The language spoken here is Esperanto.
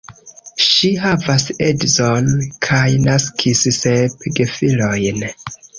Ŝi havas edzon, kaj naskis sep gefilojn.